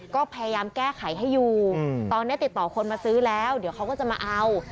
ก็พยายามแก้ไขให้อยู่ตอนนี้ติดต่อคนมาซื้อแล้วเดี๋ยวเขาก็จะมาเอา